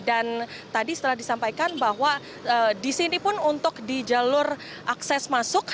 dan tadi setelah disampaikan bahwa di sini pun untuk di jalur akses masuk